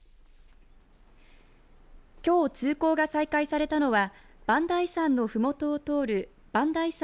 きょう通行が再開されたのは磐梯山のふもとを通る磐梯山